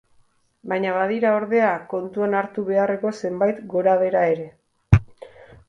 Baina badira, ordea, kontuan hartu beharreko zenbait gorabehera ere.